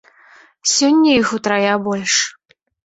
Сёння іх утрая больш.